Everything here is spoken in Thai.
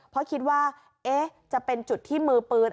เพราะคิดว่าจะเป็นจุดที่มือปืน